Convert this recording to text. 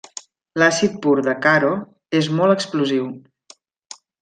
L'àcid pur de Caro és molt explosiu.